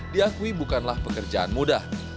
diakui bukanlah pekerjaan mudah